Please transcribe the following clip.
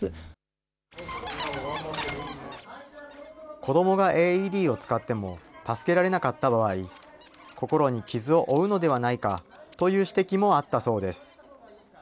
子どもがＡＥＤを使っても助けられなかった場合、心に傷を負うのではないかという指摘もあったそうです。